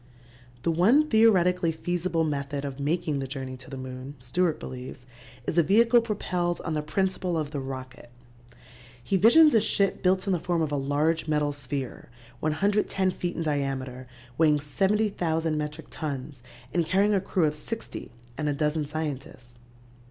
The one theoretically feasible method of making the journey to the moon, Stewart believes, is a vehicle propelled on the principle of the rocket. He visions a ship built in the form of a large metal sphere 110 feet in diameter, weighing 70,000 metric tons and carrying a crew of sixty and a dozen scientists.